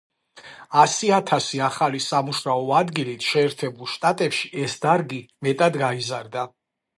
ასი ათასი ახალი სამუშაო ადგილით შეერთებულ შტატებში ეს დარგი მეტად გაიზარდა.